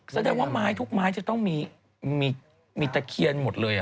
แสดงว่าไม้ตรงมีมีตะเคียนหมดเลยเหรอ